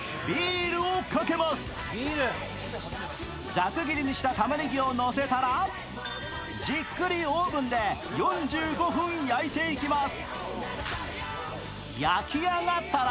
ざく切りにしたたまねぎをのせたらじっくりオーブンで４５分焼いていきます。